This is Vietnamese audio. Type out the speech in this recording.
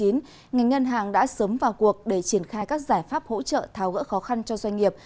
ngành ngân hàng đã sớm vào cuộc để triển khai các giải pháp hỗ trợ tháo gỡ khó khăn cho doanh nghiệp